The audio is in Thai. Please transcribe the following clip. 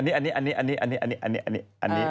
แนกไม่ค่อยไม่ถ่าย